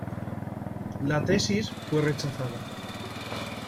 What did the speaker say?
La tesis fue rechazada.